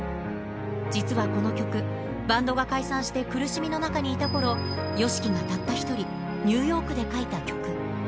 実はこの曲、バンドが解散して苦しみの中にいたころ、ＹＯＳＨＩＫＩがたった１人、ニューヨークで書いた曲。